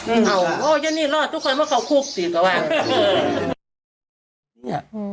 อ้าวโอ้ยแย่นี่รอดทุกคนว่าเขาคูกสิกับว่า